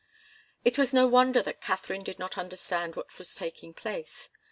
It was no wonder that Katharine did not understand what was taking place.